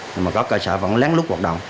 nhưng mà có cơ sở vẫn lén lút hoạt động